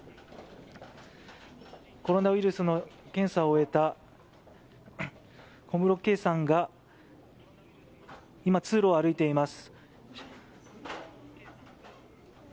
コロナウイルスの検査を終えた小室圭さんが今、通路を歩いています。